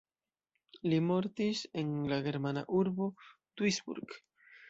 Li mortis en la germana urbo Duisburg.